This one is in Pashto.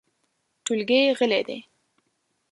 ټولګی غلی دی .